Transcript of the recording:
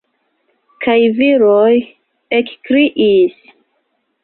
Kaj viroj ekkriis.